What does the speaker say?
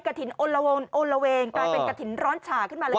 นอนละเวงกลายเป็นกระถิ่นร้อนฉ่าขึ้นมาเลย